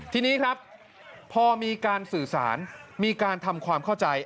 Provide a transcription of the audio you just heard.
ทีนี้ครับพอมีการสื่อสารมีการทำความเข้าใจ